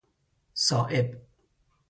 صائب